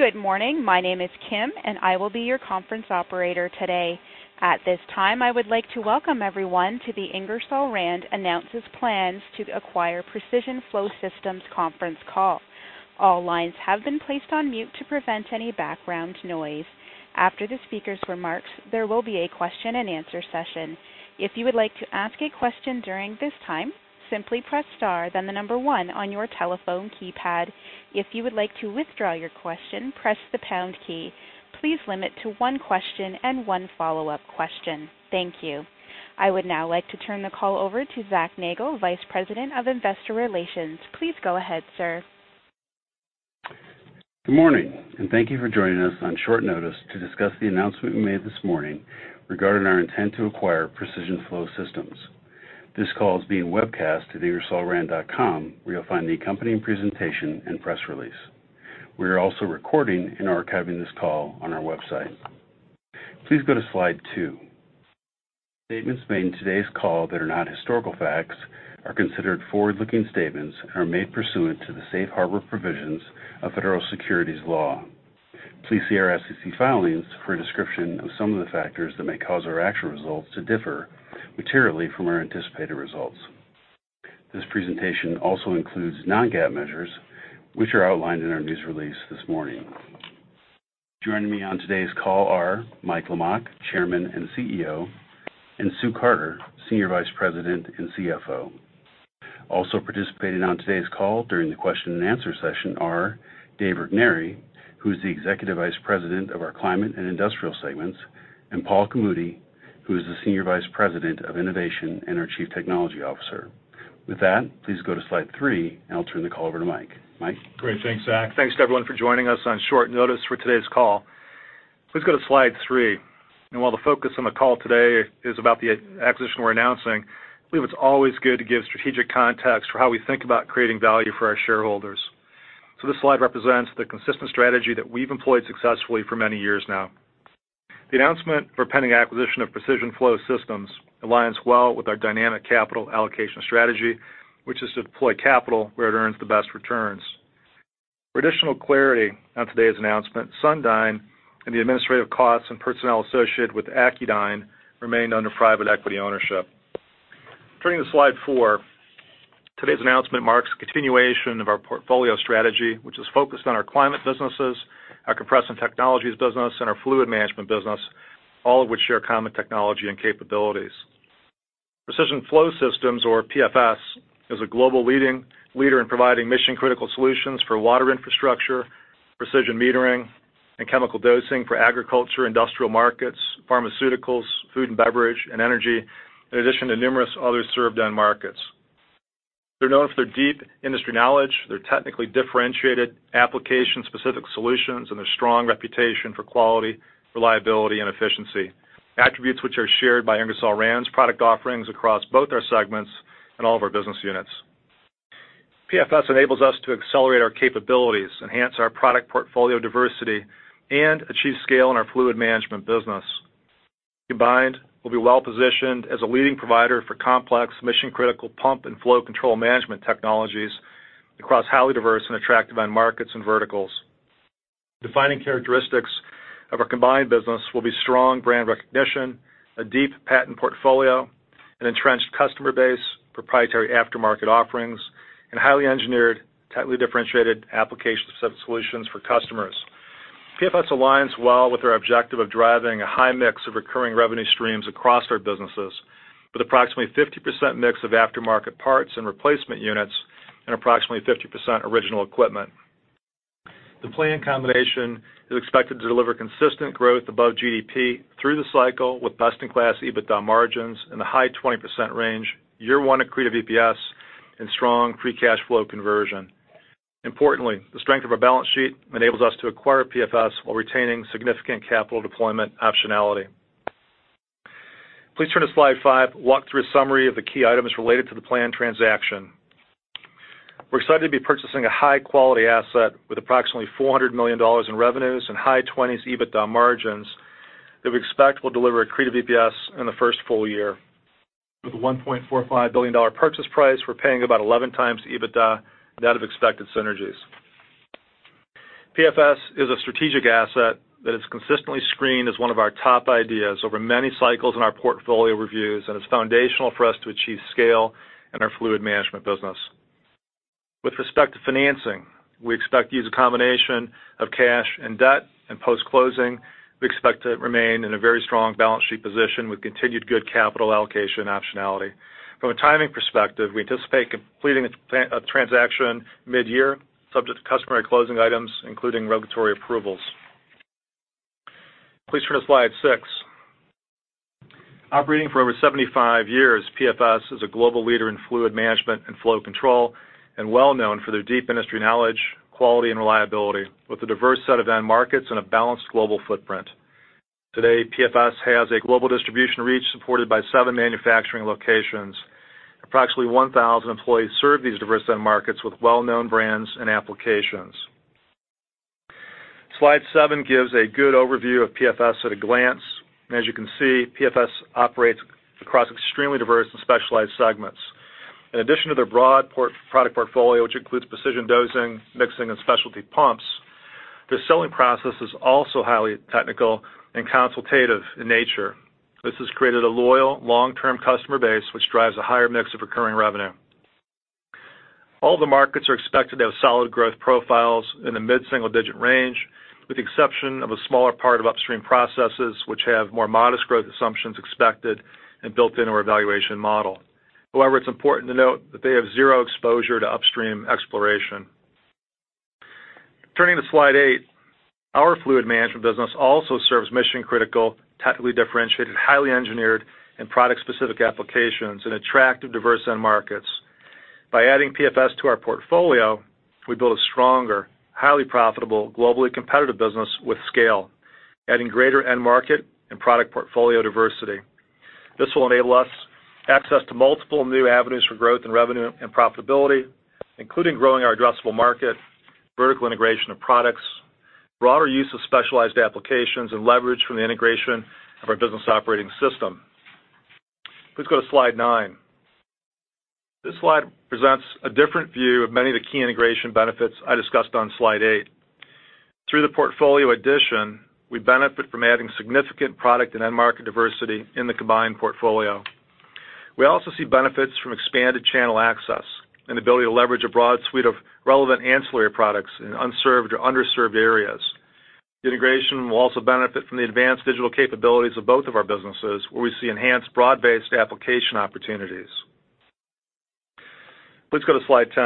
Good morning. My name is Kim, and I will be your conference operator today. At this time, I would like to welcome everyone to the Ingersoll Rand Announces Plans to Acquire Precision Flow Systems conference call. All lines have been placed on mute to prevent any background noise. After the speaker's remarks, there will be a question and answer session. If you would like to ask a question during this time, simply press star, then the number one on your telephone keypad. If you would like to withdraw your question, press the pound key. Please limit to one question and one follow-up question. Thank you. I would now like to turn the call over to Zac Nagle, Vice President of Investor Relations. Please go ahead, sir. Good morning, and thank you for joining us on short notice to discuss the announcement we made this morning regarding our intent to acquire Precision Flow Systems. This call is being webcast at ingersollrand.com, where you'll find the accompanying presentation and press release. We are also recording and archiving this call on our website. Please go to slide two. Statements made in today's call that are not historical facts are considered forward-looking statements and are made pursuant to the safe harbor provisions of Federal Securities law. Please see our SEC filings for a description of some of the factors that may cause our actual results to differ materially from our anticipated results. This presentation also includes non-GAAP measures, which are outlined in our news release this morning. Joining me on today's call are Mike Lamach, Chairman and CEO, and Sue Carter, Senior Vice President and CFO. Also participating on today's call during the question and answer session are Dave Regnery, who is the Executive Vice President of our Climate and Industrial segments, and Paul Camuti, who is the Senior Vice President of Innovation and our Chief Technology Officer. With that, please go to slide three, and I'll turn the call over to Mike. Mike? Great. Thanks, Zac. Thanks to everyone for joining us on short notice for today's call. Please go to slide three. While the focus on the call today is about the acquisition we're announcing, I believe it's always good to give strategic context for how we think about creating value for our shareholders. This slide represents the consistent strategy that we've employed successfully for many years now. The announcement for pending acquisition of Precision Flow Systems aligns well with our dynamic capital allocation strategy, which is to deploy capital where it earns the best returns. For additional clarity on today's announcement, Sundyne and the administrative costs and personnel associated with Accudyne remain under private equity ownership. Turning to slide four. Today's announcement marks continuation of our portfolio strategy, which is focused on our climate businesses, our compression technologies business, and our fluid management business, all of which share common technology and capabilities. Precision Flow Systems, or PFS, is a global leader in providing mission-critical solutions for water infrastructure, precision metering, and chemical dosing for agriculture, industrial markets, pharmaceuticals, food and beverage, and energy, in addition to numerous other served end markets. They're known for their deep industry knowledge, their technically differentiated application-specific solutions, and their strong reputation for quality, reliability, and efficiency. Attributes which are shared by Ingersoll Rand's product offerings across both our segments and all of our business units. PFS enables us to accelerate our capabilities, enhance our product portfolio diversity, and achieve scale in our fluid management business. Combined, we'll be well-positioned as a leading provider for complex mission-critical pump and flow control management technologies across highly diverse and attractive end markets and verticals. Defining characteristics of our combined business will be strong brand recognition, a deep patent portfolio, an entrenched customer base, proprietary aftermarket offerings, and highly engineered, tightly differentiated application-specific solutions for customers. PFS aligns well with our objective of driving a high mix of recurring revenue streams across our businesses, with approximately 50% mix of aftermarket parts and replacement units and approximately 50% original equipment. The planned combination is expected to deliver consistent growth above GDP through the cycle with best-in-class EBITDA margins in the high 20% range, year one accretive EPS, and strong free cash flow conversion. Importantly, the strength of our balance sheet enables us to acquire PFS while retaining significant capital deployment optionality. Please turn to slide five. Walk through a summary of the key items related to the planned transaction. We're excited to be purchasing a high-quality asset with approximately $400 million in revenues and high 20s EBITDA margins that we expect will deliver accretive EPS in the first full year. With a $1.45 billion purchase price, we're paying about 11 times the EBITDA, net of expected synergies. PFS is a strategic asset that is consistently screened as one of our top ideas over many cycles in our portfolio reviews, and is foundational for us to achieve scale in our fluid management business. With respect to financing, we expect to use a combination of cash and debt, and post-closing, we expect to remain in a very strong balance sheet position with continued good capital allocation optionality. From a timing perspective, we anticipate completing a transaction mid-year, subject to customary closing items, including regulatory approvals. Please turn to slide six. Operating for over 75 years, PFS is a global leader in fluid management and flow control, and well known for their deep industry knowledge, quality, and reliability with a diverse set of end markets and a balanced global footprint. Today, PFS has a global distribution reach supported by seven manufacturing locations. Approximately 1,000 employees serve these diverse end markets with well-known brands and applications. Slide seven gives a good overview of PFS at a glance. As you can see, PFS operates across extremely diverse and specialized segments. In addition to their broad product portfolio, which includes precision dosing, mixing, and specialty pumps, the selling process is also highly technical and consultative in nature. This has created a loyal long-term customer base, which drives a higher mix of recurring revenue. All the markets are expected to have solid growth profiles in the mid-single-digit range, with the exception of a smaller part of upstream processes, which have more modest growth assumptions expected and built into our evaluation model. However, it's important to note that they have zero exposure to upstream exploration. Turning to slide eight, our fluid management business also serves mission-critical, technically differentiated, highly engineered, and product-specific applications in attractive, diverse end markets. By adding PFS to our portfolio, we build a stronger, highly profitable, globally competitive business with scale, adding greater end market and product portfolio diversity. This will enable us access to multiple new avenues for growth in revenue and profitability, including growing our addressable market, vertical integration of products, broader use of specialized applications, and leverage from the integration of our business operating system. Please go to slide nine. This slide presents a different view of many of the key integration benefits I discussed on slide eight. Through the portfolio addition, we benefit from adding significant product and end market diversity in the combined portfolio. We also see benefits from expanded channel access and ability to leverage a broad suite of relevant ancillary products in unserved or underserved areas. The integration will also benefit from the advanced digital capabilities of both of our businesses, where we see enhanced broad-based application opportunities. Please go to slide 10.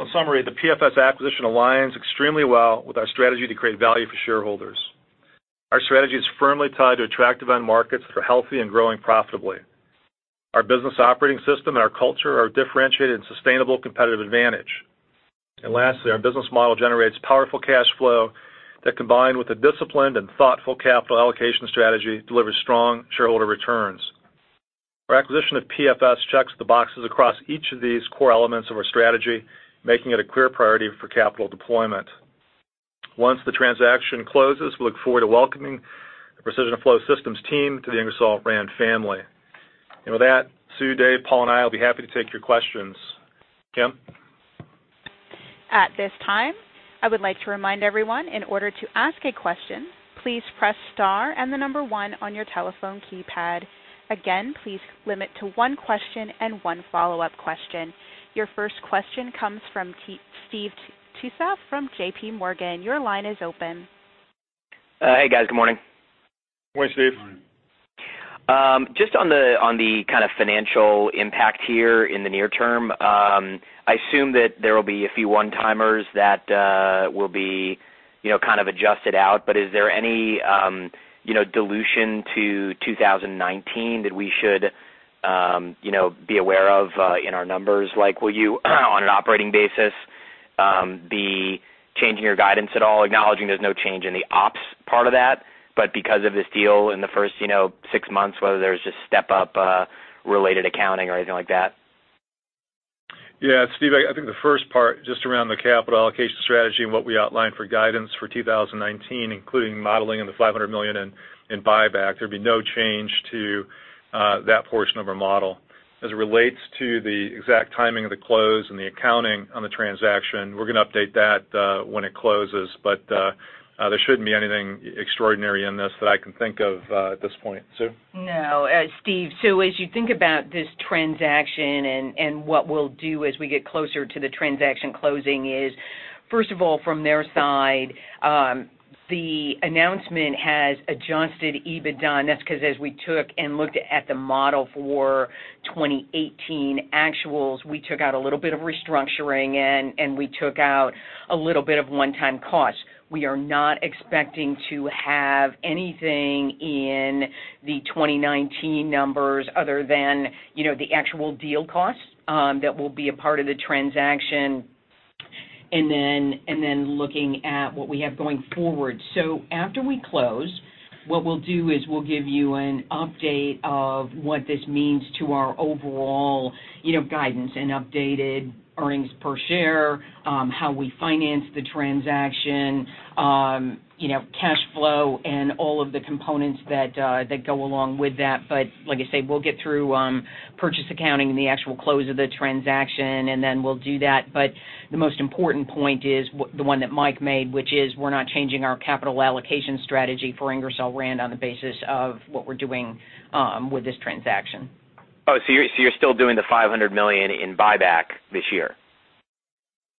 In summary, the PFS acquisition aligns extremely well with our strategy to create value for shareholders. Our strategy is firmly tied to attractive end markets that are healthy and growing profitably. Our business operating system and our culture are a differentiated and sustainable competitive advantage. Lastly, our business model generates powerful cash flow that, combined with a disciplined and thoughtful capital allocation strategy, delivers strong shareholder returns. Our acquisition of PFS checks the boxes across each of these core elements of our strategy, making it a clear priority for capital deployment. Once the transaction closes, we look forward to welcoming the Precision Flow Systems team to the Ingersoll Rand family. With that, Sue, Dave, Paul, and I will be happy to take your questions. Kim? At this time, I would like to remind everyone in order to ask a question, please press star and the number one on your telephone keypad. Again, please limit to one question and one follow-up question. Your first question comes from Steve Tusa from JPMorgan. Your line is open. Hey, guys. Good morning. Morning, Steve. Morning. Just on the kind of financial impact here in the near term, I assume that there will be a few one-timers that will be kind of adjusted out, but is there any dilution to 2019 that we should be aware of in our numbers? Will you, on an operating basis, be changing your guidance at all, acknowledging there's no change in the ops part of that, but because of this deal in the first six months, whether there's just step-up related accounting or anything like that? Yeah, Steve, I think the first part, just around the capital allocation strategy and what we outlined for guidance for 2019, including modeling and the $500 million in buyback, there'd be no change to that portion of our model. As it relates to the exact timing of the close and the accounting on the transaction, we're going to update that when it closes. There shouldn't be anything extraordinary in this that I can think of at this point. Sue? Steve, as you think about this transaction and what we'll do as we get closer to the transaction closing is, first of all, from their side, the announcement has adjusted EBITDA, and that's because as we took and looked at the model for 2018 actuals, we took out a little bit of restructuring and we took out a little bit of one-time costs. We are not expecting to have anything in the 2019 numbers other than the actual deal costs that will be a part of the transaction, and then looking at what we have going forward. After we close, what we'll do is we'll give you an update of what this means to our overall guidance and updated earnings per share, how we finance the transaction, cash flow, and all of the components that go along with that. Like I say, we'll get through purchase accounting and the actual close of the transaction, then we'll do that. The most important point is the one that Mike made, which is we're not changing our capital allocation strategy for Ingersoll Rand on the basis of what we're doing with this transaction. You're still doing the $500 million in buyback this year?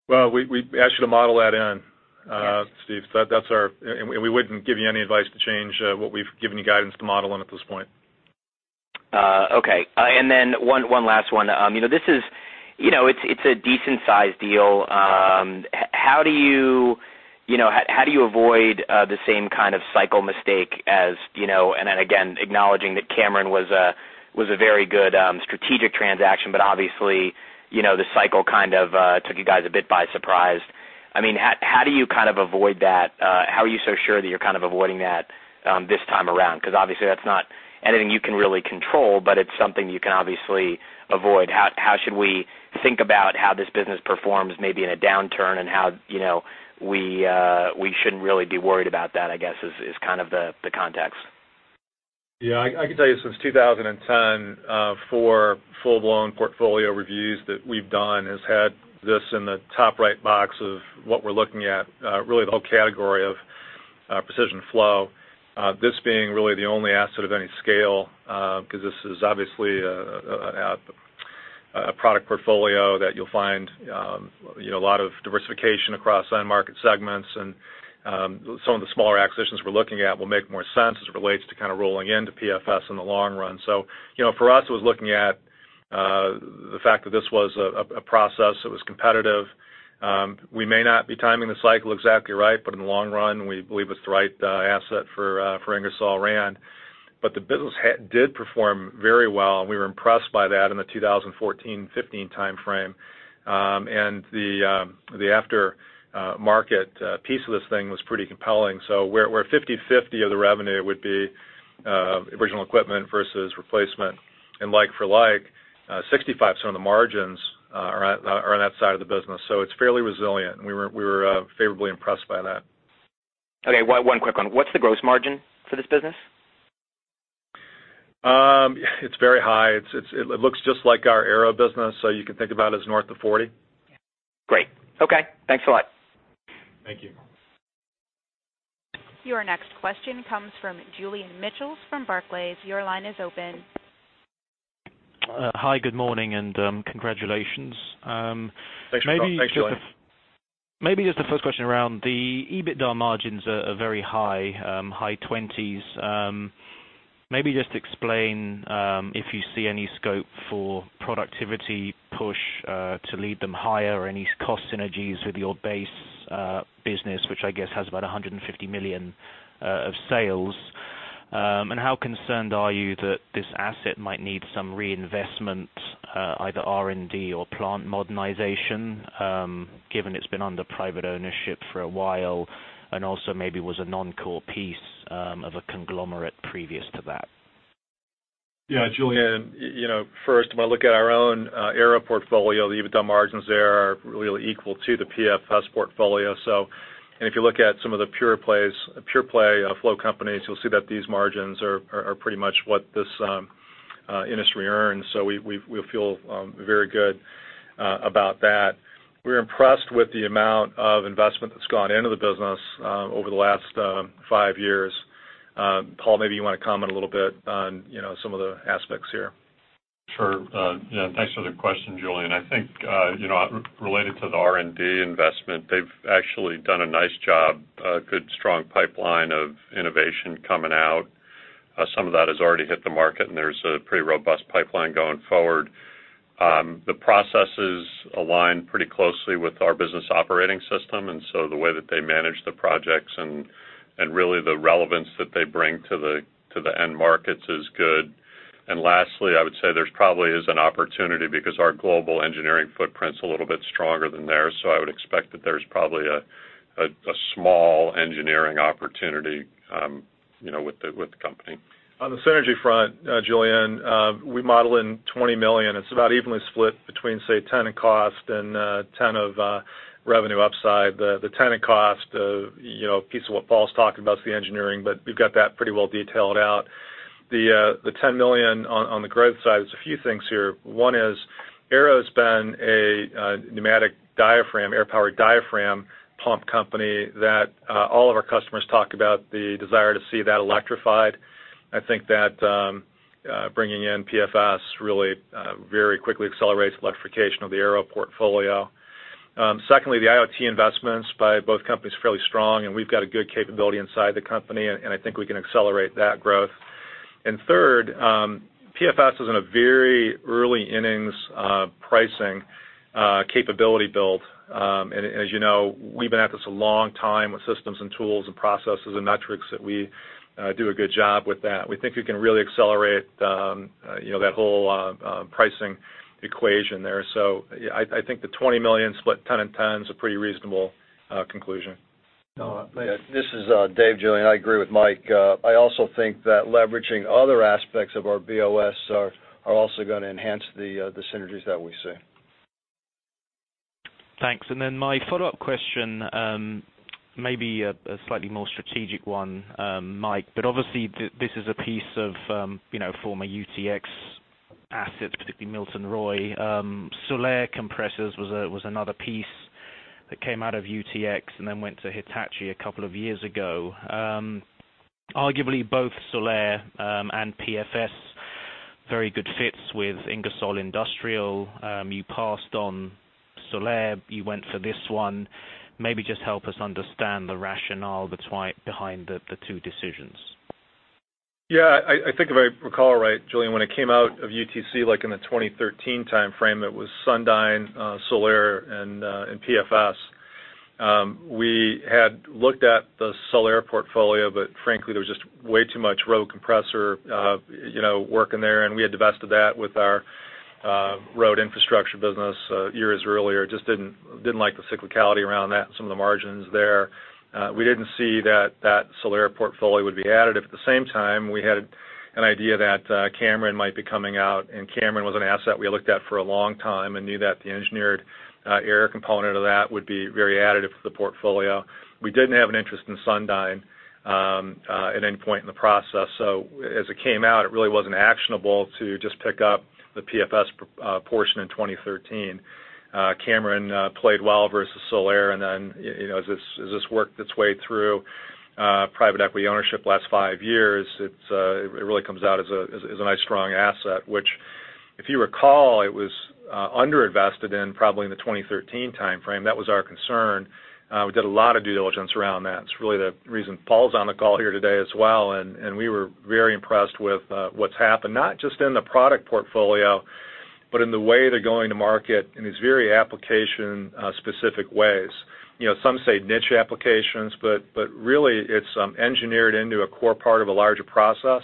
We asked you to model that in, Steve. We wouldn't give you any advice to change what we've given you guidance to model in at this point. Okay. Then, one last one. It's a decent-sized deal. How do you avoid the same kind of cycle mistake as, acknowledging that Cameron was a very good strategic transaction, but obviously the cycle kind of took you guys a bit by surprise. How do you kind of avoid that? How are you so sure that you're kind of avoiding that this time around? Obviously that's not anything you can really control, but it's something you can obviously avoid. How should we think about how this business performs maybe in a downturn and how we shouldn't really be worried about that, I guess, is kind of the context? I can tell you since 2010, four full-blown portfolio reviews that we've done has had this in the top right box of what we're looking at, really the whole category of Precision Flow. This being really the only asset of any scale, this is obviously a product portfolio that you'll find a lot of diversification across end market segments, and some of the smaller acquisitions we're looking at will make more sense as it relates to kind of rolling into PFS in the long run. For us, it was looking at the fact that this was a process, it was competitive. We may not be timing the cycle exactly right, but in the long run, we believe it's the right asset for Ingersoll Rand. The business did perform very well, and we were impressed by that in the 2014-2015 timeframe. The aftermarket piece of this thing was pretty compelling. Where 50/50 of the revenue would be original equipment versus replacement, in like for like, 65% of the margins are on that side of the business. It's fairly resilient, and we were favorably impressed by that. Okay, one quick one. What's the gross margin for this business? It's very high. It looks just like our ARO business, you can think about it as north of 40. Great. Okay, thanks a lot. Thank you. Your next question comes from Julian Mitchell from Barclays. Your line is open. Hi, good morning, and congratulations. Thanks, Julian. Maybe just the first question around the EBITDA margins are very high, high 20s. Maybe just explain if you see any scope for productivity push to lead them higher or any cost synergies with your base business, which I guess has about $150 million of sales. How concerned are you that this asset might need some reinvestment, either R&D or plant modernization, given it's been under private ownership for a while, and also maybe was a non-core piece of a conglomerate previous to that? Julian, first, if I look at our own ARO portfolio, the EBITDA margins there are really equal to the PFS portfolio. If you look at some of the pure play flow companies, you'll see that these margins are pretty much what this industry earns. We feel very good about that. We're impressed with the amount of investment that's gone into the business over the last five years. Paul, maybe you want to comment a little bit on some of the aspects here. Sure. Thanks for the question, Julian. I think, related to the R&D investment, they've actually done a nice job, a good strong pipeline of innovation coming out. Some of that has already hit the market, and there's a pretty robust pipeline going forward. The processes align pretty closely with our business operating system, the way that they manage the projects and really the relevance that they bring to the end markets is good. Lastly, I would say there probably is an opportunity because our global engineering footprint's a little bit stronger than theirs, so I would expect that there's probably a small engineering opportunity with the company. On the synergy front, Julian, we model in $20 million. It's about evenly split between, say, $10 in cost and $10 of revenue upside. The $10 in cost, a piece of what Paul's talking about is the engineering, but we've got that pretty well detailed out. The $20 million on the growth side, there's a few things here. One is ARO's been a pneumatic diaphragm, air-powered diaphragm pump company that all of our customers talk about the desire to see that electrified. I think that bringing in PFS really very quickly accelerates electrification of the ARO portfolio. Secondly, the IoT investments by both companies is fairly strong, and we've got a good capability inside the company, and I think we can accelerate that growth. Third, PFS is in a very early innings pricing capability build. As you know, we've been at this a long time with systems and tools and processes and metrics that we do a good job with that. We think we can really accelerate that whole pricing equation there. I think the $20 million split $10 and $10 is a pretty reasonable conclusion. This is Dave, Julian. I agree with Mike. I also think that leveraging other aspects of our BOS are also going to enhance the synergies that we see. Thanks. Then my follow-up question, maybe a slightly more strategic one, Mike, obviously this is a piece of former UTX assets, particularly Milton Roy. Sullair Compressors was another piece that came out of UTX then went to Hitachi a couple of years ago. Arguably, both Sullair and PFS, very good fits with Ingersoll Industrial. You passed on Sullair, you went for this one. Maybe just help us understand the rationale behind the two decisions. I think if I recall right, Julian, when it came out of UTC in the 2013 timeframe, it was Sundyne, Sullair, and PFS. We had looked at the Sullair portfolio, frankly, there was just way too much road compressor working there, and we had divested that with our road infrastructure business years earlier. Just didn't like the cyclicality around that and some of the margins there. We didn't see that that Sullair portfolio would be added. At the same time, we had an idea that Cameron might be coming out, Cameron was an asset we looked at for a long time and knew that the engineered air component of that would be very additive to the portfolio. We didn't have an interest in Sundyne at any point in the process. As it came out, it really wasn't actionable to just pick up the PFS portion in 2013. Cameron played well versus Sullair, then as this worked its way through private equity ownership the last five years, it really comes out as a nice, strong asset. Which, if you recall, it was under-invested in probably in the 2013 timeframe. That was our concern. We did a lot of due diligence around that. It's really the reason Paul's on the call here today as well, and we were very impressed with what's happened, not just in the product portfolio, but in the way they're going to market in these very application-specific ways. Some say niche applications, but really, it's engineered into a core part of a larger process.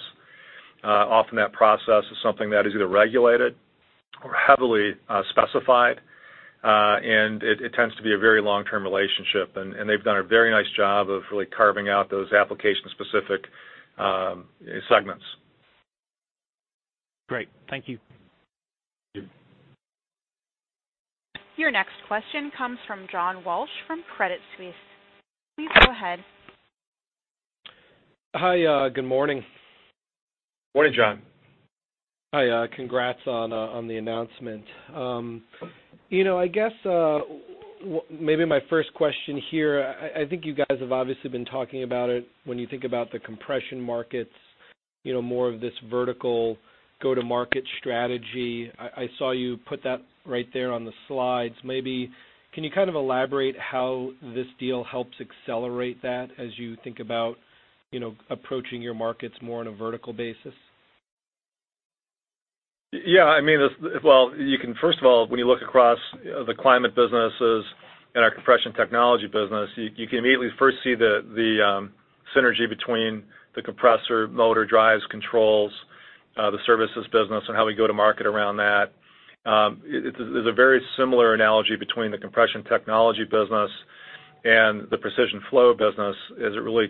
Often that process is something that is either regulated or heavily specified. It tends to be a very long-term relationship, and they've done a very nice job of really carving out those application-specific segments. Great. Thank you. Thank you. Your next question comes from John Walsh from Credit Suisse. Please go ahead. Hi, good morning. Morning, John. Hi. Congrats on the announcement. I guess, maybe my first question here, I think you guys have obviously been talking about it when you think about the compression markets, more of this vertical go-to-market strategy. I saw you put that right there on the slides. Maybe can you kind of elaborate how this deal helps accelerate that as you think about approaching your markets more on a vertical basis? Yeah. First of all, when you look across the climate businesses and our compression technology business, you can immediately first see the synergy between the compressor motor drives controls, the services business, and how we go to market around that. There's a very similar analogy between the compression technology business and the precision flow business, as it really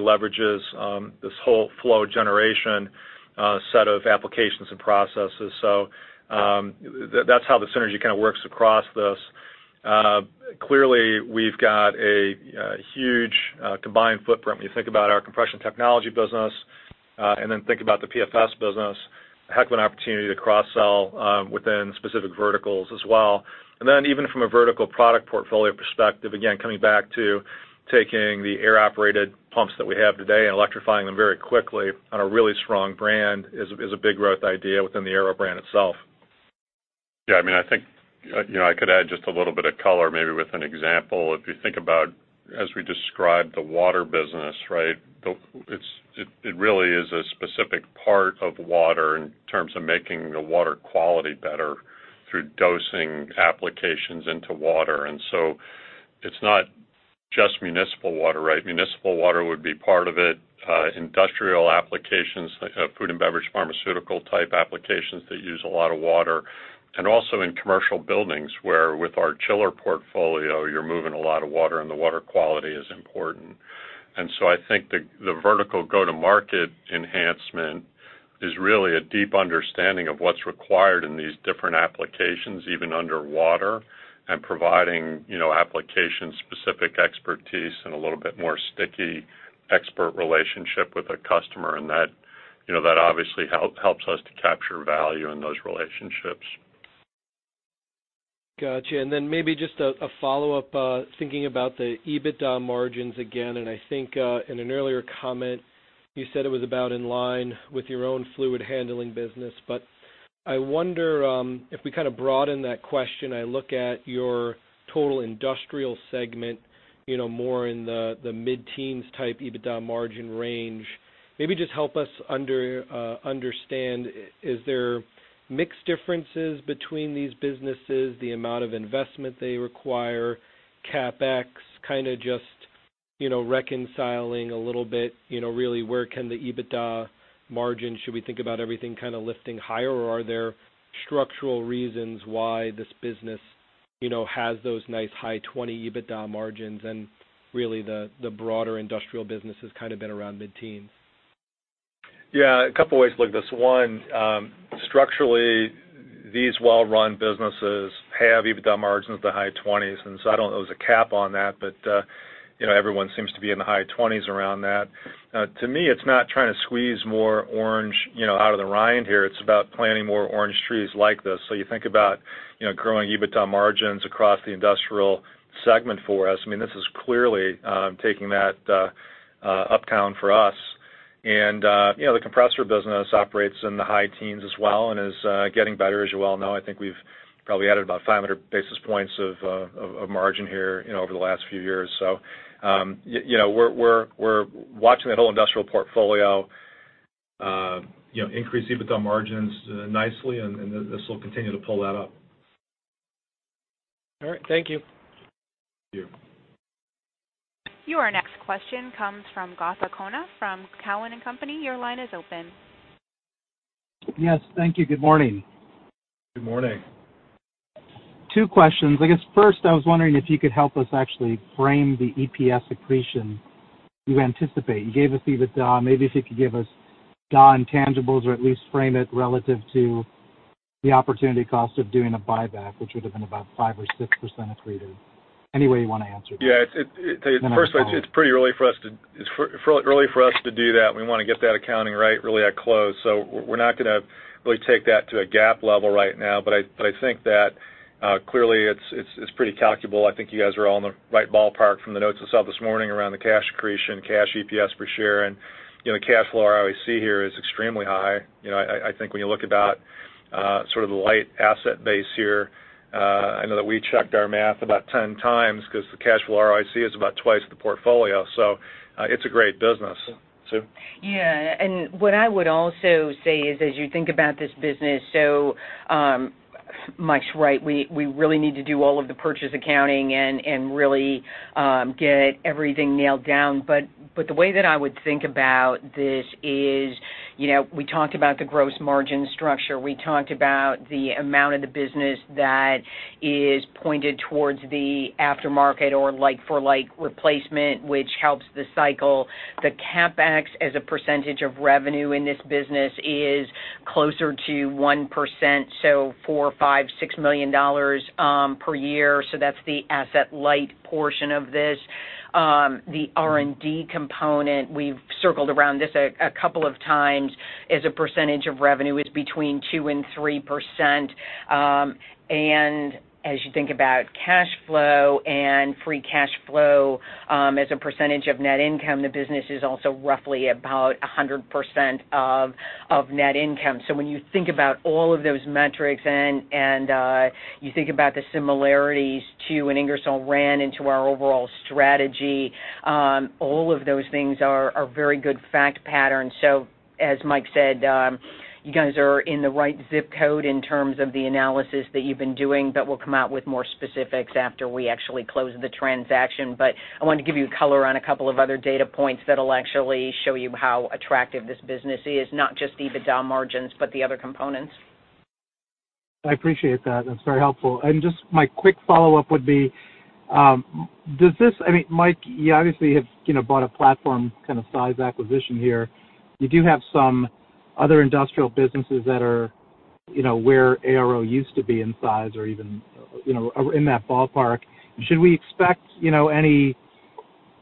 leverages this whole flow generation set of applications and processes. That's how the synergy kind of works across this. Clearly, we've got a huge combined footprint when you think about our compression technology business, and then think about the PFS business. A heck of an opportunity to cross-sell within specific verticals as well. Even from a vertical product portfolio perspective, again, coming back to taking the air-operated pumps that we have today and electrifying them very quickly on a really strong brand is a big growth idea within the ARO brand itself. I think I could add just a little bit of color, maybe with an example. If you think about, as we described the water business, it really is a specific part of water in terms of making the water quality better through dosing applications into water. It's not just municipal water. Municipal water would be part of it. Industrial applications, food and beverage, pharmaceutical type applications that use a lot of water. Also in commercial buildings, where with our chiller portfolio, you're moving a lot of water, and the water quality is important. I think the vertical go-to-market enhancement is really a deep understanding of what's required in these different applications, even under water, and providing application-specific expertise and a little bit more sticky expert relationship with a customer. That obviously helps us to capture value in those relationships. Got you. Maybe just a follow-up, thinking about the EBITDA margins again, and I think in an earlier comment, you said it was about in line with your own fluid handling business. I wonder if we kind of broaden that question, I look at your total industrial segment, more in the mid-teens type EBITDA margin range. Maybe just help us understand, is there mix differences between these businesses, the amount of investment they require, CapEx, kind of just reconciling a little bit? Really, where can the EBITDA margin, should we think about everything kind of lifting higher, or are there structural reasons why this business has those nice high 20 EBITDA margins and really the broader industrial business has kind of been around mid-teens? Yeah. A couple ways to look at this. One, structurally, these well-run businesses have EBITDA margins of the high 20s, and so I don't know there's a cap on that, but everyone seems to be in the high 20s around that. To me, it's not trying to squeeze more orange out of the rind here. It's about planting more orange trees like this. You think about growing EBITDA margins across the industrial segment for us. This is clearly taking that uptown for us. The compressor business operates in the high teens as well and is getting better. As you well know, I think we've probably added about 500 basis points of margin here over the last few years. We're watching that whole industrial portfolio increase EBITDA margins nicely, and this will continue to pull that up. All right. Thank you. Thank you. Your next question comes from Gautam Khanna from Cowen and Company. Your line is open. Yes. Thank you. Good morning. Good morning. Two questions. I guess first, I was wondering if you could help us actually frame the EPS accretion you anticipate. You gave us the EBITDA. Maybe if you could give us non-tangibles or at least frame it relative to the opportunity cost of doing a buyback, which would have been about 5% or 6% accretive. Any way you want to answer that. Yeah. First, it's pretty early for us to do that. We're not going to really take that to a GAAP level right now. I think that clearly it's pretty calculable. I think you guys are all in the right ballpark from the notes I saw this morning around the cash accretion, cash EPS per share, and the cash flow ROIC here is extremely high. I think when you look about sort of the light asset base here, I know that we checked our math about 10 times because the cash flow ROIC is about twice the portfolio. It's a great business. Sue? Yeah. What I would also say is, as you think about this business, so Mike's right. We really need to do all of the purchase accounting and really get everything nailed down. The way that I would think about this is, we talked about the gross margin structure. We talked about the amount of the business that is pointed towards the aftermarket or like for like replacement, which helps the cycle. The CapEx as a percentage of revenue in this business is closer to 1%, so $4 million, $5 million, $6 million per year. That's the asset light portion of this. The R&D component, we've circled around this a couple of times, as a percentage of revenue is between 2% and 3%. As you think about cash flow and free cash flow as a percentage of net income, the business is also roughly about 100% of net income. When you think about all of those metrics and you think about the similarities to an Ingersoll Rand into our overall strategy, all of those things are very good fact patterns. As Mike said, you guys are in the right zip code in terms of the analysis that you've been doing, but we'll come out with more specifics after we actually close the transaction. I wanted to give you color on a couple of other data points that'll actually show you how attractive this business is, not just the EBITDA margins, but the other components. I appreciate that. That's very helpful. Just my quick follow-up would be, Mike, you obviously have bought a platform kind of size acquisition here. You do have some other industrial businesses that are where ARO used to be in size or even in that ballpark. Should we expect any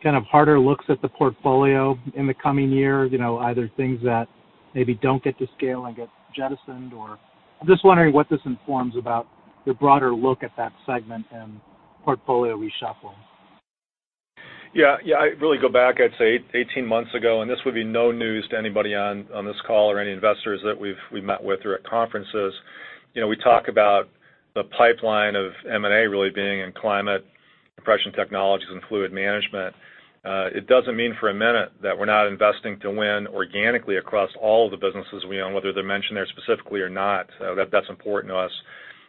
kind of harder looks at the portfolio in the coming year, either things that maybe don't get to scale and get jettisoned? I'm just wondering what this informs about the broader look at that segment and portfolio reshuffling. Yeah. I really go back, I'd say 18 months ago. This would be no news to anybody on this call or any investors that we've met with or at conferences. We talk about the pipeline of M&A really being in climate compression technologies and fluid management. It doesn't mean for a minute that we're not investing to win organically across all of the businesses we own, whether they're mentioned there specifically or not. That's important to us.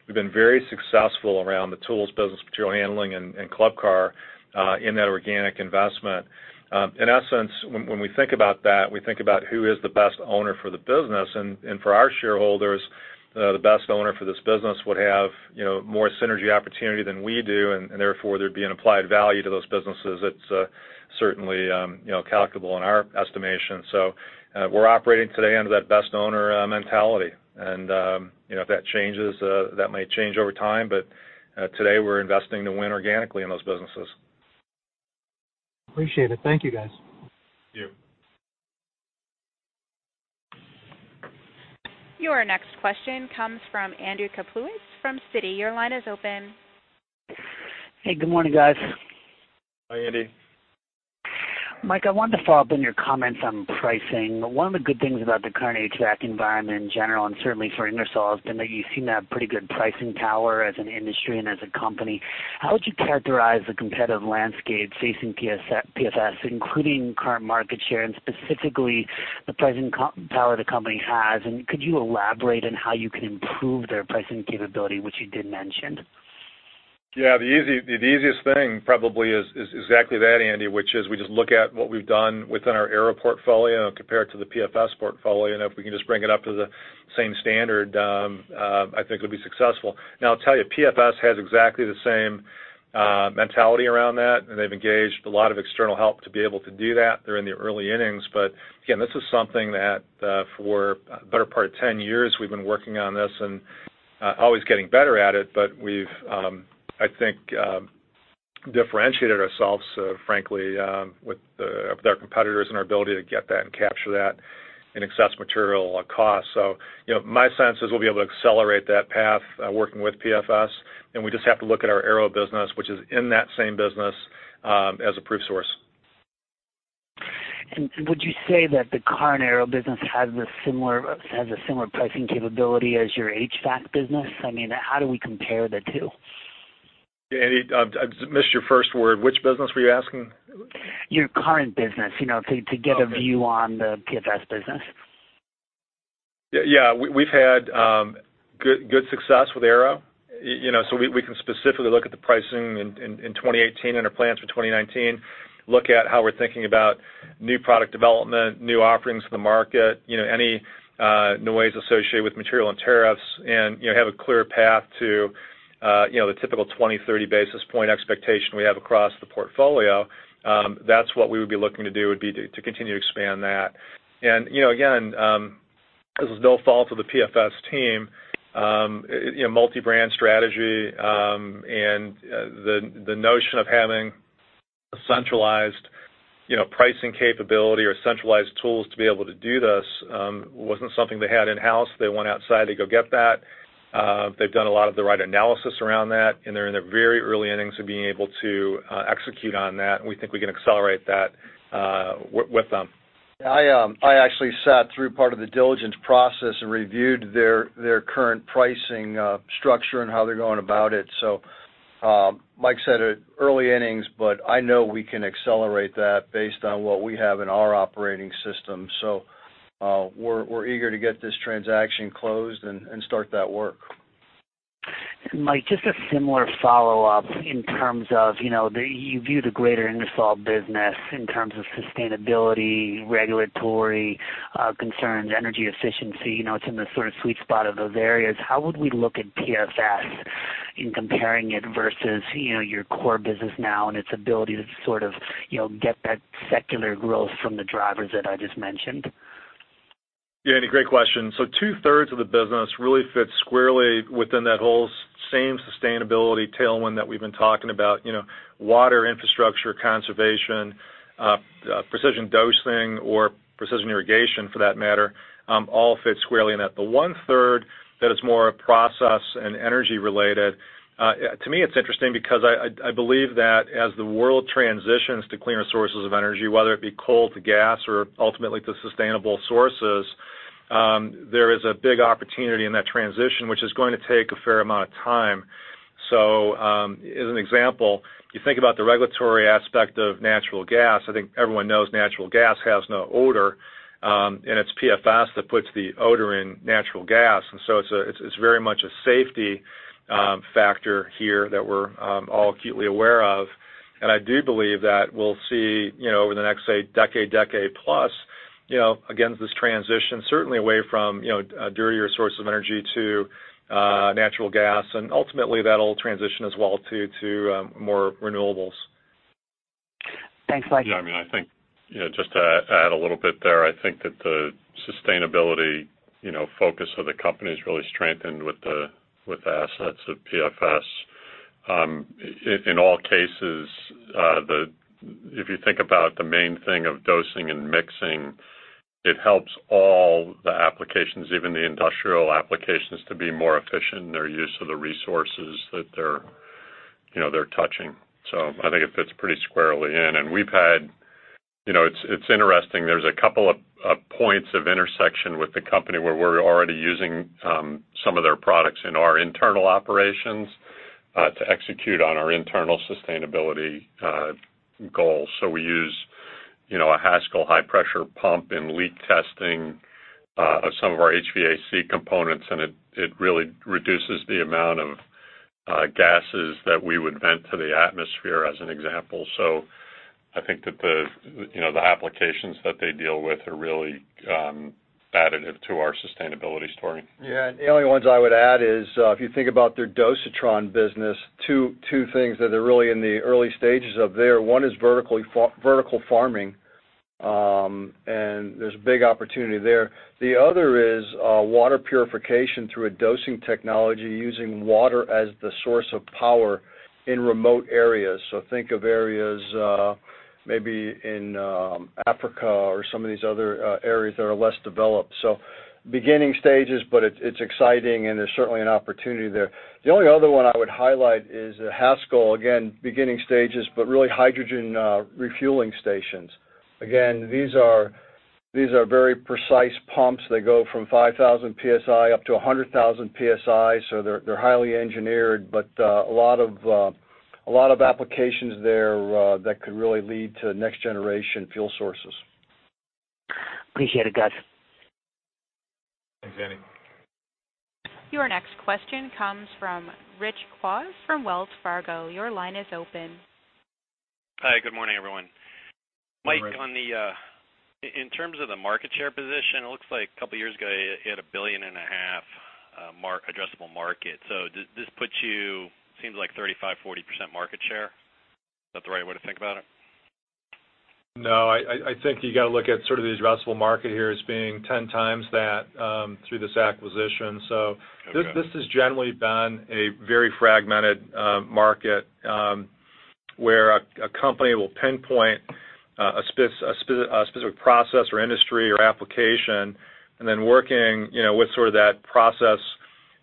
We've been very successful around the tools business, material handling, and Club Car in that organic investment. In essence, when we think about that, we think about who is the best owner for the business. For our shareholders, the best owner for this business would have more synergy opportunity than we do, and therefore, there'd be an applied value to those businesses. It's certainly calculable in our estimation. We're operating today under that best owner mentality. If that changes, that might change over time. Today we're investing to win organically in those businesses. Appreciate it. Thank you, guys. Thank you. Your next question comes from Andy Kaplowitz from Citi. Your line is open. Hey, good morning, guys. Hi, Andy. Mike, I wanted to follow up on your comments on pricing. One of the good things about the current HVAC environment in general, and certainly for Ingersoll, has been that you seem to have pretty good pricing power as an industry and as a company. How would you characterize the competitive landscape facing PFS, including current market share and specifically the pricing power the company has? Could you elaborate on how you can improve their pricing capability, which you did mention? Yeah. The easiest thing probably is exactly that, Andy, which is we just look at what we've done within our ARO portfolio compared to the PFS portfolio. If we can just bring it up to the same standard, I think it'll be successful. I'll tell you, PFS has exactly the same mentality around that. They've engaged a lot of external help to be able to do that. They're in the early innings. Again, this is something that for the better part of 10 years we've been working on this and always getting better at it. We've, I think, differentiated ourselves, frankly, with our competitors and our ability to get that and capture that in excess material cost. My sense is we'll be able to accelerate that path working with PFS. We just have to look at our ARO business, which is in that same business, as a proof source. Would you say that the current ARO business has a similar pricing capability as your HVAC business? How do we compare the two? Andy, I missed your first word. Which business were you asking? Your current business, to get a view on the PFS business. We've had good success with ARO. We can specifically look at the pricing in 2018 and our plans for 2019, look at how we're thinking about new product development, new offerings to the market, any noise associated with material and tariffs, and have a clear path to the typical 20, 30 basis point expectation we have across the portfolio. That's what we would be looking to do, would be to continue to expand that. Again, this is no fault of the PFS team. Multi-brand strategy, and the notion of having a centralized pricing capability or centralized tools to be able to do this, wasn't something they had in-house. They went outside to go get that. They've done a lot of the right analysis around that, and they're in the very early innings of being able to execute on that, and we think we can accelerate that with them. I actually sat through part of the diligence process and reviewed their current pricing structure and how they're going about it. Mike said early innings, but I know we can accelerate that based on what we have in our operating system. We're eager to get this transaction closed and start that work. Mike, just a similar follow-up in terms of, you view the greater Ingersoll business in terms of sustainability, regulatory concerns, energy efficiency. It's in the sort of sweet spot of those areas. How would we look at PFS in comparing it versus your core business now and its ability to sort of get that secular growth from the drivers that I just mentioned?h Yeah, Andy, great question. Two-thirds of the business really fits squarely within that whole same sustainability tailwind that we've been talking about. Water infrastructure, conservation, precision dosing, or precision irrigation for that matter, all fit squarely in that. The 1/3 that is more process and energy-related, to me, it's interesting because I believe that as the world transitions to cleaner sources of energy, whether it be coal to gas or ultimately to sustainable sources, there is a big opportunity in that transition, which is going to take a fair amount of time. As an example, you think about the regulatory aspect of natural gas. I think everyone knows natural gas has no odor, and it's PFS that puts the odor in natural gas. It's very much a safety factor here that we're all acutely aware of. I do believe that we'll see, over the next, say, decade plus, again, this transition, certainly away from dirtier sources of energy to natural gas, and ultimately that'll transition as well to more renewables. Thanks, Mike. I think just to add a little bit there, I think that the sustainability focus of the company has really strengthened with the assets of PFS. In all cases, if you think about the main thing of dosing and mixing, it helps all the applications, even the industrial applications, to be more efficient in their use of the resources that they're touching. I think it fits pretty squarely in. It's interesting, there's a couple of points of intersection with the company where we're already using some of their products in our internal operations, to execute on our internal sustainability goals. We use a Haskel high-pressure pump in leak testing of some of our HVAC components, and it really reduces the amount of gases that we would vent to the atmosphere, as an example. I think that the applications that they deal with are really additive to our sustainability story. Yeah, the only ones I would add is, if you think about their Dosatron business, two things that are really in the early stages of there. One is vertical farming, and there's a big opportunity there. The other is water purification through a dosing technology using water as the source of power in remote areas. Think of areas maybe in Africa or some of these other areas that are less developed. Beginning stages, but it's exciting, and there's certainly an opportunity there. The only other one I would highlight is Haskel, again, beginning stages, but really hydrogen refueling stations. These are very precise pumps. They go from 5,000 PSI up to 100,000 PSI. They're highly engineered. A lot of applications there that could really lead to next generation fuel sources. Appreciate it, guys. Thanks, Andy. Your next question comes from Rich Kwas from Wells Fargo. Your line is open. Hi, good morning, everyone. Good morning. Mike, in terms of the market share position, it looks like a couple years ago you had a $1.5 billion addressable market. Does this put you, seems like 35%-40% market share? Is that the right way to think about it? No, I think you got to look at sort of the addressable market here as being 10 times that through this acquisition. Okay. This has generally been a very fragmented market, where a company will pinpoint a specific process or industry or application, then working with sort of that process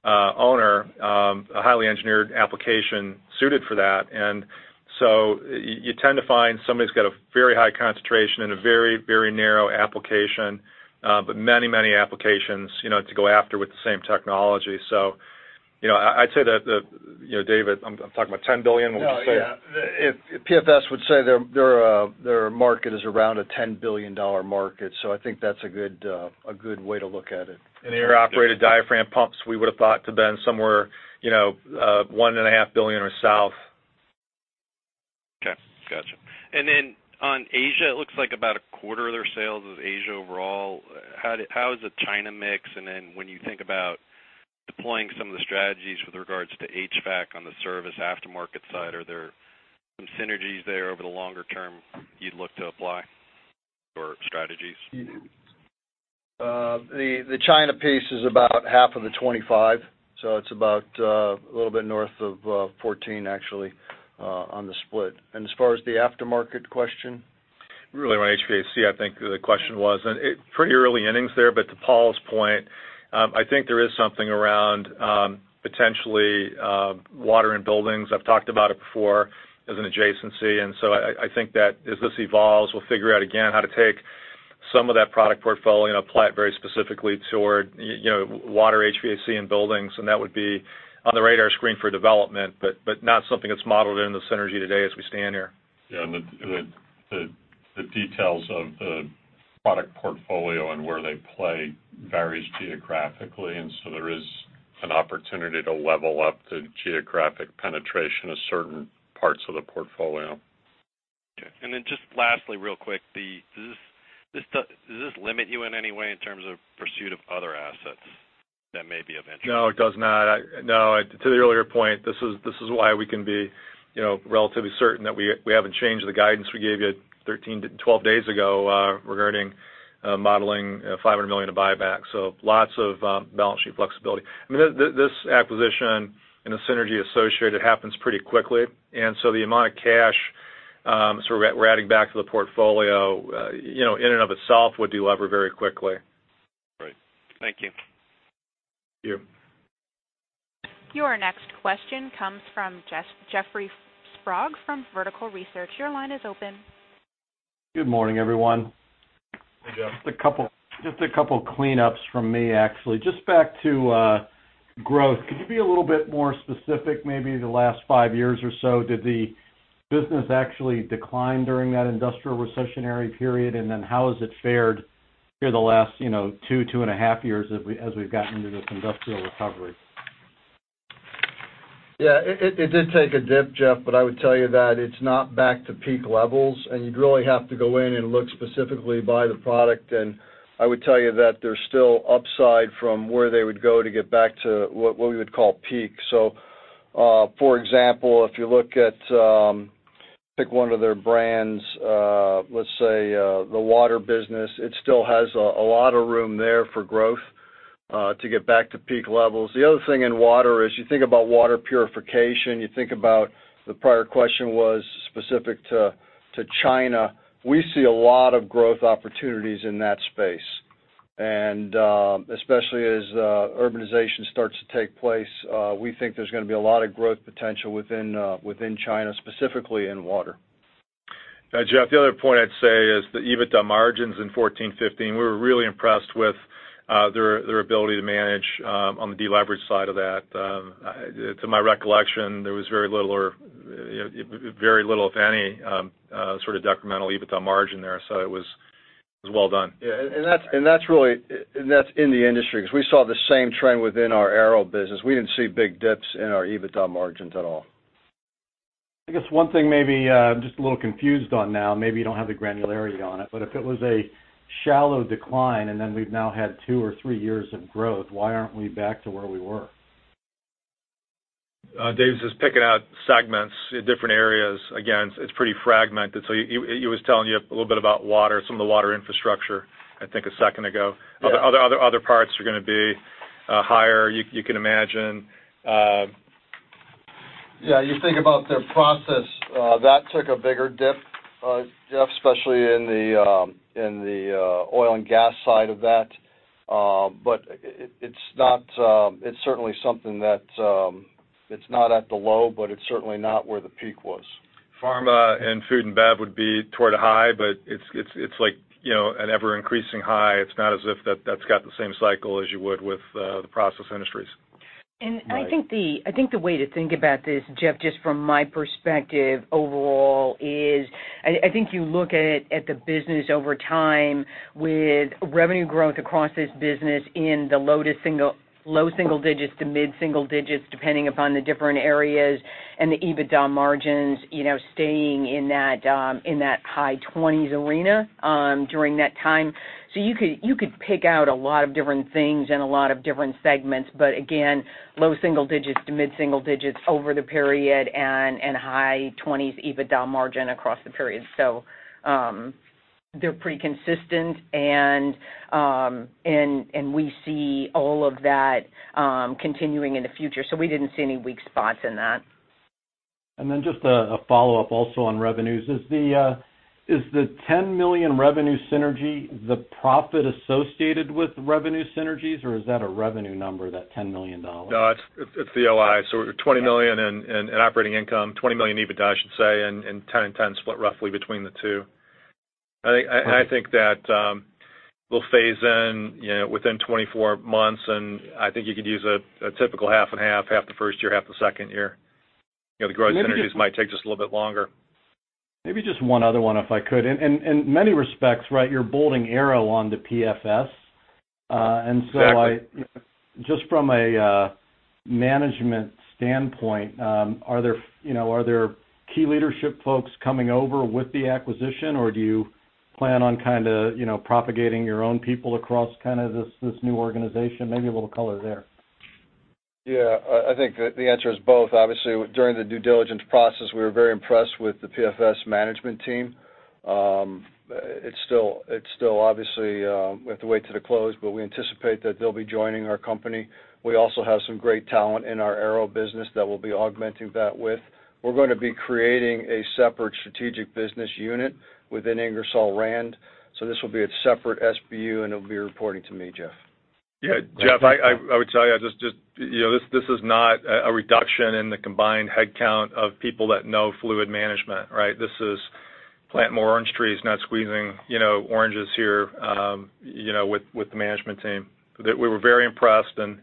owner, a highly engineered application suited for that. You tend to find somebody's got a very high concentration and a very narrow application. Many applications to go after with the same technology. I'd say that, David, I'm talking about $10 billion, would you say? No, yeah. PFS would say their market is around a $10 billion market, I think that's a good way to look at it. Air operated diaphragm pumps, we would've thought to been somewhere, one and a half billion or south. Okay, got you. On Asia, it looks like about a quarter of their sales is Asia overall. How is the China mix? When you think about deploying some of the strategies with regards to HVAC on the service aftermarket side, are there some synergies there over the longer term you'd look to apply, or strategies? The China piece is about half of the 25%, so it's about a little bit north of 14%, actually, on the split. As far as the aftermarket question? Really around HVAC, I think the question was. Pretty early innings there, but to Paul's point, I think there is something around potentially water and buildings. I've talked about it before as an adjacency, I think that as this evolves, we'll figure out again how to take some of that product portfolio and apply it very specifically toward water, HVAC, and buildings. That would be on the radar screen for development, but not something that's modeled in the synergy today as we stand here. Yeah. The details of the product portfolio and where they play varies geographically. There is an opportunity to level up the geographic penetration of certain parts of the portfolio. Okay. Just lastly, real quick, does this limit you in any way in terms of pursuit of other assets that may be of interest? No, it does not. No. To the earlier point, this is why we can be relatively certain that we haven't changed the guidance we gave you 12 days ago regarding modeling $500 million of buyback. Lots of balance sheet flexibility. I mean, this acquisition and the synergy associated happens pretty quickly. The amount of cash we're adding back to the portfolio, in and of itself, would delever very quickly. Great. Thank you. Thank you. Your next question comes from Jeffrey Sprague from Vertical Research. Your line is open. Good morning, everyone. Hey, Jeff. Just a couple cleanups from me, actually. Just back to growth, could you be a little bit more specific, maybe the last five years or so? Did the business actually decline during that industrial recessionary period, and then how has it fared through the last two and a half years as we've gotten into this industrial recovery? Yeah. It did take a dip, Jeff, but I would tell you that it's not back to peak levels, and you'd really have to go in and look specifically by the product. I would tell you that there's still upside from where they would go to get back to what we would call peak. For example, if you look at, pick one of their brands, let's say the water business, it still has a lot of room there for growth to get back to peak levels. The other thing in water is you think about water purification, you think about the prior question was specific to China. We see a lot of growth opportunities in that space. Especially as urbanization starts to take place, we think there's going to be a lot of growth potential within China, specifically in water. Yeah, Jeff, the other point I'd say is the EBITDA margins in 2014, 2015, we were really impressed with their ability to manage on the deleverage side of that. To my recollection, there was very little, if any, sort of decremental EBITDA margin there. It was well done. Yeah. That's in the industry, because we saw the same trend within our aero business. We didn't see big dips in our EBITDA margins at all. I guess one thing maybe I'm just a little confused on now, maybe you don't have the granularity on it, but if it was a shallow decline, and then we've now had two or three years of growth, why aren't we back to where we were? Dave, it's just picking out segments in different areas. Again, it's pretty fragmented. He was telling you a little bit about water, some of the water infrastructure, I think a second ago. Yeah. Other parts are going to be higher, you can imagine. Yeah. You think about their process, that took a bigger dip, Jeff, especially in the oil and gas side of that. It's certainly something that it's not at the low, but it's certainly not where the peak was. Pharma and food and bev would be toward a high, it's an ever-increasing high. It's not as if that's got the same cycle as you would with the process industries. Right. I think the way to think about this, Jeff, just from my perspective overall is, I think you look at the business over time with revenue growth across this business in the low single digits to mid single digits, depending upon the different areas and the EBITDA margins staying in that high 20s arena during that time. You could pick out a lot of different things and a lot of different segments, again, low single digits to mid single digits over the period and high 20s EBITDA margin across the period. They're pretty consistent, and we see all of that continuing in the future. We didn't see any weak spots in that. Then just a follow-up also on revenues. Is the $10 million revenue synergy the profit associated with revenue synergies, or is that a revenue number, that $10 million? No, it's the OI. $20 million in operating income, $20 million EBITDA, I should say, and 10/10 roughly between the two. Okay. I think that we'll phase in within 24 months, and I think you could use a typical half and half the first year, half the second year. The growth synergies might take just a little bit longer. Maybe just one other one if I could. In many respects, you're bolting ARO onto PFS. Exactly. Just from a management standpoint, are there key leadership folks coming over with the acquisition, or do you plan on propagating your own people across this new organization? Maybe a little color there. Yeah. I think that the answer is both. Obviously, during the due diligence process, we were very impressed with the PFS management team. Obviously, we have to wait till it closed, but we anticipate that they'll be joining our company. We also have some great talent in our ARO business that we'll be augmenting that with. We're going to be creating a separate strategic business unit within Ingersoll Rand. This will be a separate SBU, and it'll be reporting to me, Jeff. Yeah. Jeff, I would tell you, this is not a reduction in the combined headcount of people that know fluid management. This is plant more orange trees, not squeezing oranges here with the management team. We were very impressed, and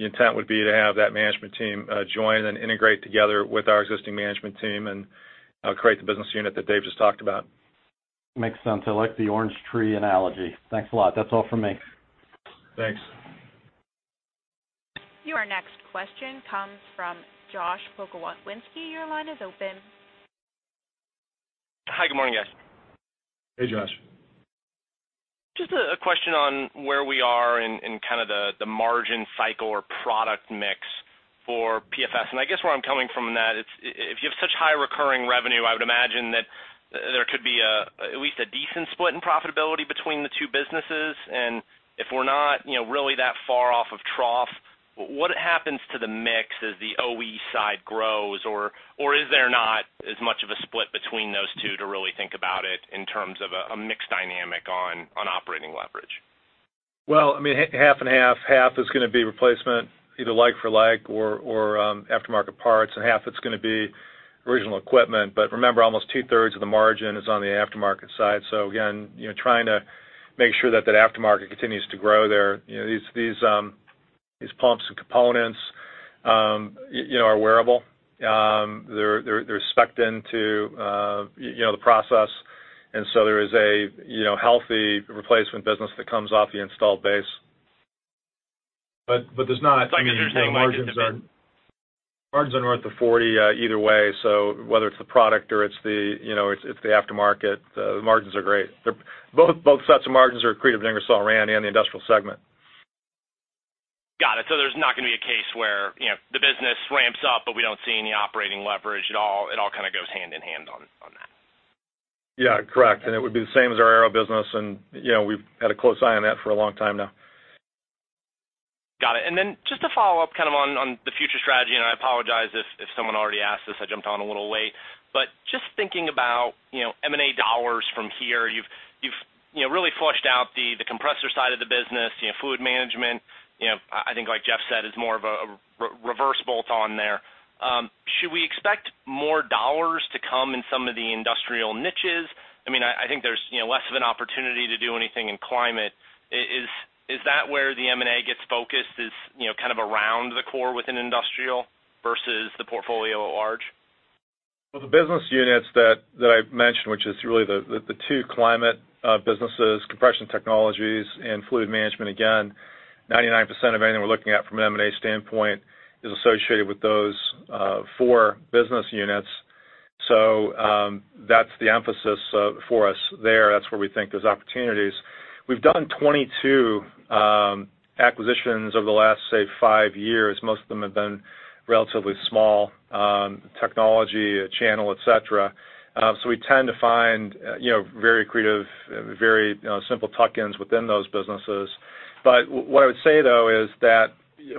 the intent would be to have that management team join and integrate together with our existing management team and create the business unit that Dave just talked about. Makes sense. I like the orange tree analogy. Thanks a lot. That's all from me. Thanks. Your next question comes from Josh Pokrywinski. Your line is open. Hi. Good morning, guys. Hey, Josh. Just a question on where we are in kind of the margin cycle or product mix for PFS. I guess where I'm coming from on that, if you have such high recurring revenue, I would imagine that there could be at least a decent split in profitability between the two businesses. If we're not really that far off of trough, what happens to the mix as the OE side grows? Is there not as much of a split between those two to really think about it in terms of a mix dynamic on operating leverage? Well, 50/50. Half is going to be replacement, either like for like or aftermarket parts, and half it's going to be original equipment. Remember, almost two-thirds of the margin is on the aftermarket side. Again, trying to make sure that aftermarket continues to grow there. These pumps and components are wearable. They're specced into the process. There is a healthy replacement business that comes off the installed base. There's not. I guess there's no margin dipping. margins are north of 40 either way. Whether it's the product or it's the aftermarket, the margins are great. Both sets of margins are accretive to Ingersoll Rand and the industrial segment. Got it. There's not going to be a case where the business ramps up, but we don't see any operating leverage at all. It all kind of goes hand in hand on that. Yeah, correct. It would be the same as our ARO business, and we've had a close eye on that for a long time now. Got it. Just to follow up kind of on the future strategy, and I apologize if someone already asked this, I jumped on a little late, but just thinking about M&A dollars from here. You've really flushed out the compressor side of the business. Fluid management, I think like Jeff said, is more of a reverse bolt-on there. Should we expect more dollars to come in some of the industrial niches? I think there's less of an opportunity to do anything in climate. Is that where the M&A gets focused, is kind of around the core within industrial versus the portfolio at large? Well, the business units that I've mentioned, which is really the two climate businesses, compression technologies and fluid management, again, 99% of anything we're looking at from an M&A standpoint is associated with those four business units. That's the emphasis for us there. That's where we think there's opportunities. We've done 22 acquisitions over the last, say, five years. Most of them have been relatively small, technology, channel, et cetera. We tend to find very accretive, very simple tuck-ins within those businesses. What I would say, though, is that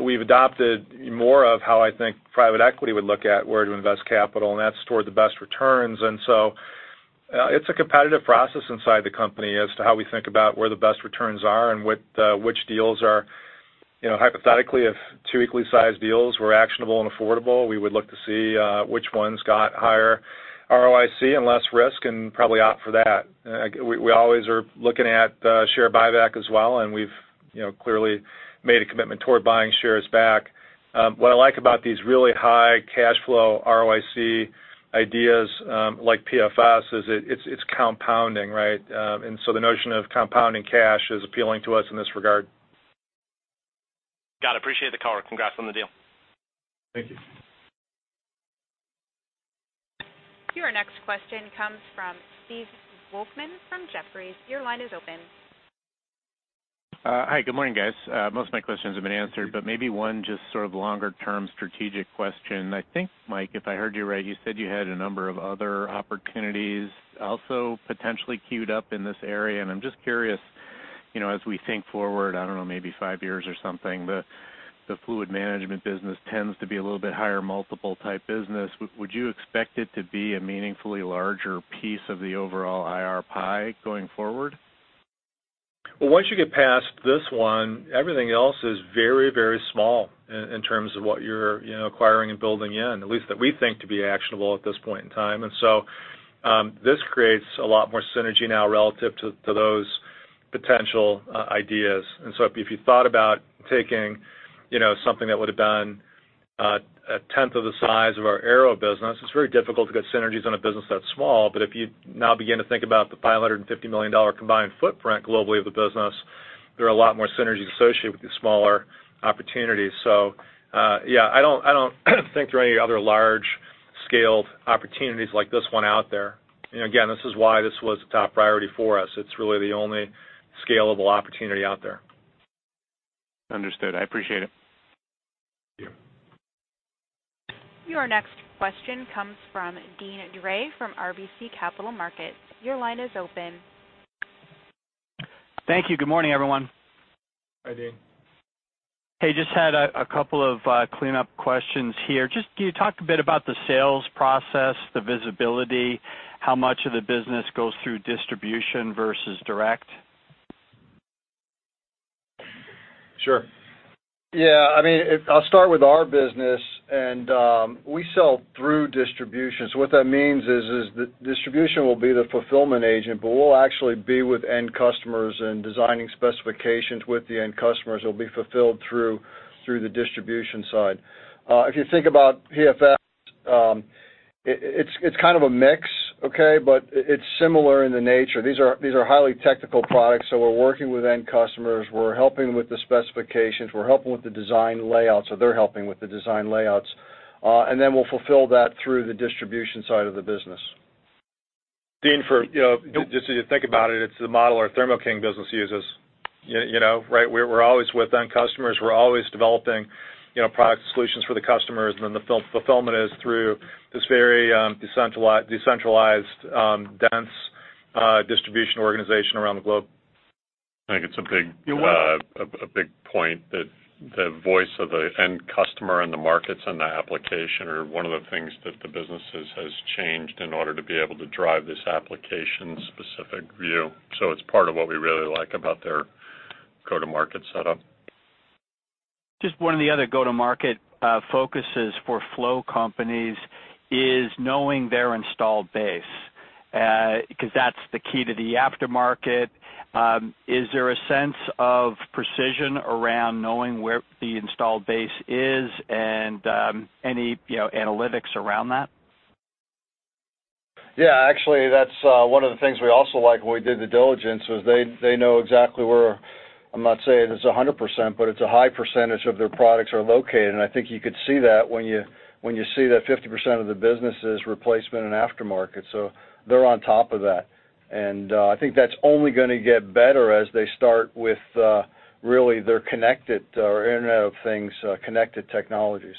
we've adopted more of how I think private equity would look at where to invest capital, and that's toward the best returns. It's a competitive process inside the company as to how we think about where the best returns are and which deals are, hypothetically, if two equally sized deals were actionable and affordable, we would look to see which ones got higher ROIC and less risk and probably opt for that. We always are looking at share buyback as well, and we've clearly made a commitment toward buying shares back. What I like about these really high cash flow ROIC ideas, like PFS, is it's compounding. The notion of compounding cash is appealing to us in this regard. Got it. Appreciate the color. Congrats on the deal. Thank you. Your next question comes from Steve Volkmann from Jefferies. Your line is open. Hi, good morning, guys. Most of my questions have been answered, maybe one just sort of longer-term strategic question. I think, Mike, if I heard you right, you said you had a number of other opportunities also potentially queued up in this area, and I'm just curious, as we think forward, I don't know, maybe five years or something, the fluid management business tends to be a little bit higher multiple type business. Would you expect it to be a meaningfully larger piece of the overall IR pie going forward? Well, once you get past this one, everything else is very, very small in terms of what you're acquiring and building in, at least that we think to be actionable at this point in time. This creates a lot more synergy now relative to those potential ideas. If you thought about taking something that would have been a 10th of the size of our ARO business, it's very difficult to get synergies on a business that small. If you now begin to think about the $550 million combined footprint globally of the business, there are a lot more synergies associated with these smaller opportunities. Yeah, I don't think there are any other large-scaled opportunities like this one out there. Again, this is why this was a top priority for us. It's really the only scalable opportunity out there. Understood. I appreciate it. Thank you. Your next question comes from Deane Dray from RBC Capital Markets. Your line is open. Thank you. Good morning, everyone. Hi, Dean. Hey, just had a couple of cleanup questions here. Just can you talk a bit about the sales process, the visibility, how much of the business goes through distribution versus direct? Sure. Yeah, I'll start with our business. We sell through distribution. What that means is that distribution will be the fulfillment agent, but we'll actually be with end customers and designing specifications with the end customers. It'll be fulfilled through the distribution side. If you think about PFS, it's kind of a mix, okay? It's similar in nature. These are highly technical products. We're working with end customers. We're helping with the specifications. We're helping with the design layouts, or they're helping with the design layouts. We'll fulfill that through the distribution side of the business. Deane, just so you think about it's the model our Thermo King business uses. We're always with end customers. We're always developing product solutions for the customers. The fulfillment is through this very decentralized, dense distribution organization around the globe. I think it's a big point that the voice of the end customer and the markets and the application are one of the things that the businesses has changed in order to be able to drive this application-specific view. It's part of what we really like about their go-to-market setup. Just one of the other go-to-market focuses for flow companies is knowing their installed base, because that's the key to the aftermarket. Is there a sense of precision around knowing where the installed base is and any analytics around that? Yeah, actually, that's one of the things we also like when we did the diligence was they know exactly where, I'm not saying it's 100%, but it's a high percentage of their products are located. I think you could see that when you see that 50% of the business is replacement and aftermarket. They're on top of that. I think that's only going to get better as they start with really their connected or Internet of Things connected technologies.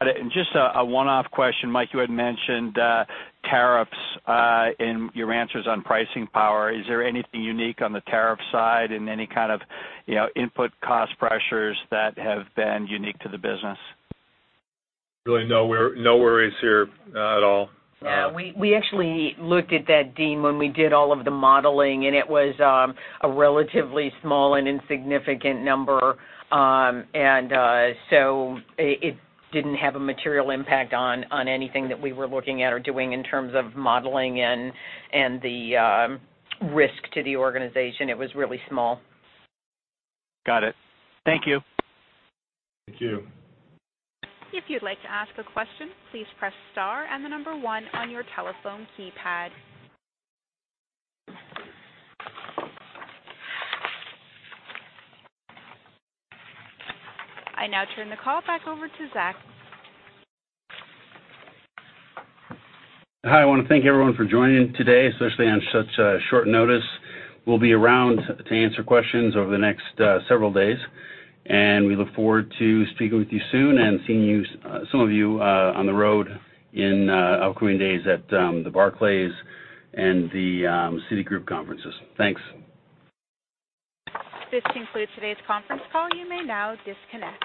Got it. Just a one-off question. Mike, you had mentioned tariffs in your answers on pricing power. Is there anything unique on the tariff side and any kind of input cost pressures that have been unique to the business? Really, no worries here at all. We actually looked at that, Dean, when we did all of the modeling, and it was a relatively small and insignificant number. It didn't have a material impact on anything that we were looking at or doing in terms of modeling and the risk to the organization. It was really small. Got it. Thank you. Thank you. If you'd like to ask a question, please press star and the number one on your telephone keypad. I now turn the call back over to Zac. Hi, I want to thank everyone for joining today, especially on such a short notice. We'll be around to answer questions over the next several days. We look forward to speaking with you soon and seeing some of you on the road in upcoming days at the Barclays and the Citigroup conferences. Thanks. This concludes today's conference call. You may now disconnect.